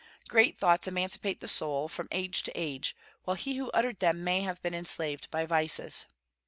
Great thoughts emancipate the soul, from age to age, while he who uttered them may have been enslaved by vices.